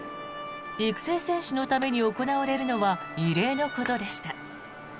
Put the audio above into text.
育成選手のために行われるのは異例のことでした。